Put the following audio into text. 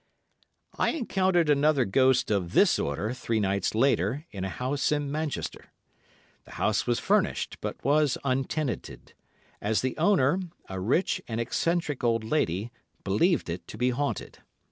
I encountered another ghost of this order three nights later in a house in Manchester. The house was furnished, but was untenanted, as the owner, a rich and eccentric old lady, believed it to be haunted.